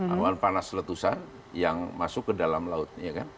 awan panas letusan yang masuk ke dalam laut